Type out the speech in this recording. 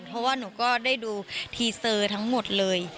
เพราะว่าหนูก็ได้ดูทีเซอร์ทั้งหมดเลย